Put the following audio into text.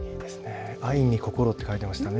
愛に心って書いていましたね。